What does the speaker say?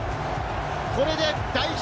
これで代表